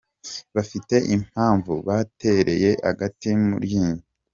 Bafite impamvu batereye agate mu ryinyo….